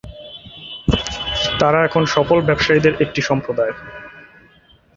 তারা এখন সফল ব্যবসায়ীদের একটি সম্প্রদায়।